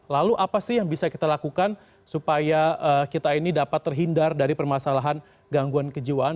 lalu apa sih yang bisa kita lakukan supaya kita ini dapat terhindar dari permasalahan gangguan kejiwaan